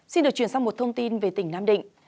xin được chuyển sang một thông tin về tỉnh nam định